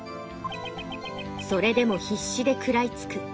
それでも必死で食らいつく。